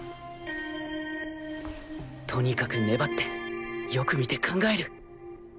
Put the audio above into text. とにかく粘ってよく見て考える